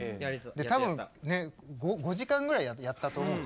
多分５時間ぐらいやったと思うの。